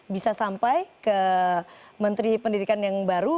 bisa sampai ke menteri pendidikan yang baru